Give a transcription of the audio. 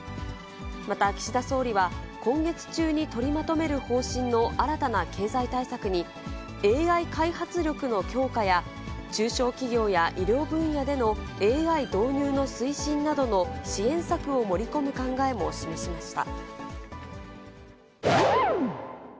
また岸田総理は、今月中に取りまとめる方針の新たな経済対策に、ＡＩ開発力の強化や、中小企業や医療分野でのＡＩ導入の推進などの支援策を盛り込む考えも示しました。